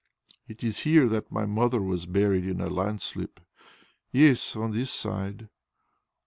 "It is here that my mother was buried in a landslip. Yes, here on this side."